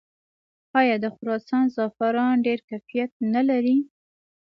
آیا د خراسان زعفران ډیر کیفیت نلري؟